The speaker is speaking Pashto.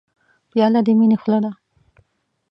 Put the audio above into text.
پیاله د مینې خوله ده.